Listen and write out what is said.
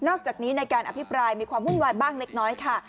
นอกจากนี้ในการอภิปรายด์บ้างเล็กค่ะ